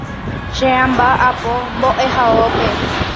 che amba'apo mbo'ehaópe